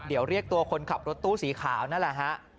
เดี๋ยวเรียกตัวคนขับรถตู้สีขาวนั่นแหละฮะ